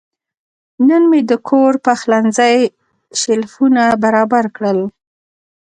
نن مې د کور پخلنځي شیلفونه برابر کړل.